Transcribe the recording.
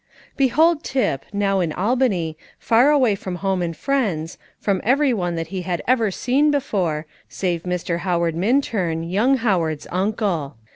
Behold Tip, now in Albany, far away from home and friends, from every one that he had ever seen before, save Mr. Howard Minturn, young Howard's uncle.